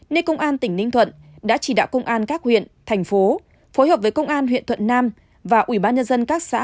nên công an tỉnh ninh thuận đã chỉ đạo công an các huyện thành phố phối hợp với công an huyện thuận nam và ủy ban nhân dân các xã